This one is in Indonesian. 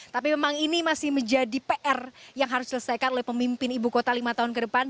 tapi memang ini masih menjadi pr yang harus diselesaikan oleh pemimpin ibu kota lima tahun ke depan